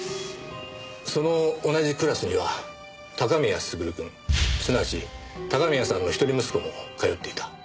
その同じクラスには高宮優くんすなわち高宮さんの一人息子も通っていた。